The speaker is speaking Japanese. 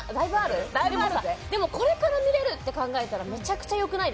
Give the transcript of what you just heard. でもこれから見れるって考えたらめちゃくちゃよくないですか？